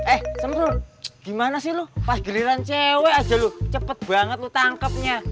eh sente gimana sih lo pahagiriran cewek aja lo cepet banget lo tangkapnya